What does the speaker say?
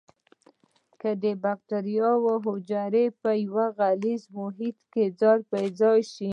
که بکټریا حجره په یو غلیظ محیط کې ځای په ځای شي.